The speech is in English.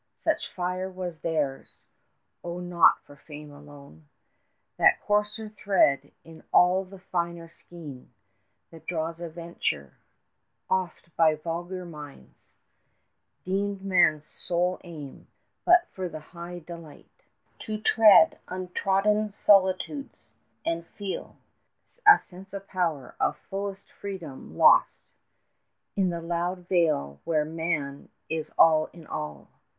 Such fire was theirs; O not for fame alone 20 That coarser thread in all the finer skein That draws adventure, oft by vulgar minds Deemed man's sole aim but for the high delight To tread untrodden solitudes, and feel A sense of power, of fullest freedom, lost 25 In the loud vale where Man is all in all.